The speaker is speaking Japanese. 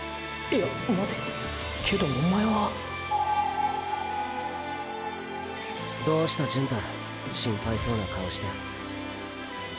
いやまてよけどおまえはどうした純太心配そうな顔して。